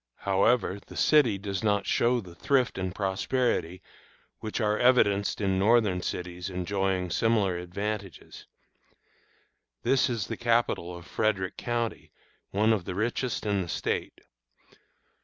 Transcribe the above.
However, the city does not show the thrift and prosperity which are evidenced in Northern cities enjoying similar advantages. This is the capital of Frederick County, one of the richest in the State.